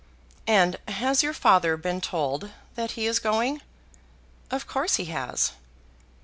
"And has your father been told that he is going?" "Of course he has."